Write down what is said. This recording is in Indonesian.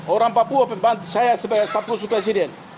orang papua saya sebagai sablosu presiden